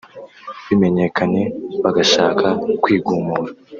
bimenyekanye bagashaka kwigumura